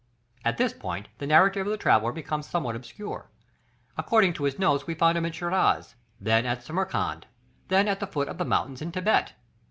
At this point the narrative of the traveller becomes somewhat obscure; according to his notes we find him at Shiraz, then at Samarcand, then at the foot of the mountains in Thibet.